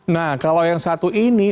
nah kalau yang satu ini